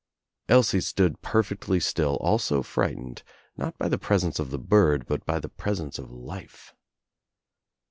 Elsie stood perfectly still ,alsO frightened, not by the presence of the bird but by the presence of life.